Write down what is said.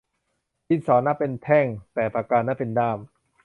ดินสอนับเป็นแท่ง แต่ปากกานับเป็นด้าม